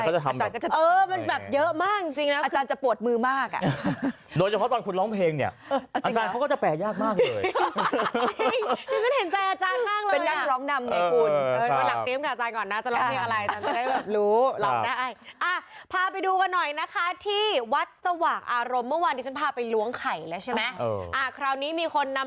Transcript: จริงถ้าดูรายการเราแล้วดูอพระวัลเลขเยอะมากเลยนะ